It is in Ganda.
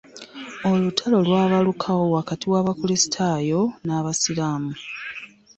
Olutalo lwabalukawo wakati wa bakristaayo nabasiraamu.